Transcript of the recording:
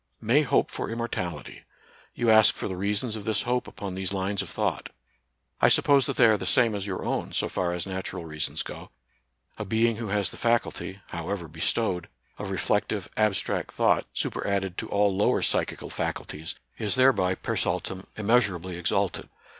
" May hope for immortality." You ask for the reasons of this hope upon these lines of thought. I suppose that they are the same as your own, so far as natural reasons go. A being who has the faculty — however bestowed — of reflective, abstract thought superadded to all lower psychical faculties, is thereby per sattum immeasurably exalted.